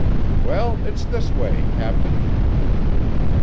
"Well, it's this way, captain."